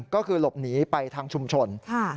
ก็คือหลบหนีไปทางชุมชน